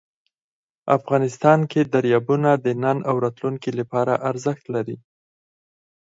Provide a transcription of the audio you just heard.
افغانستان کې دریابونه د نن او راتلونکي لپاره ارزښت لري.